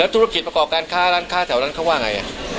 ธุรกิจประกอบการค้าร้านค้าแถวนั้นเขาว่าไง